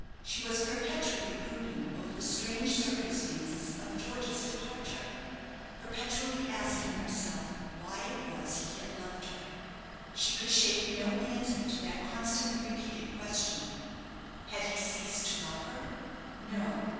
She was perpetually brooding over the strange circumstances of George's departure perpetually asking herself why it was he had left her. She could shape no answer to that constantly repeated question. Had he ceased to love her? No!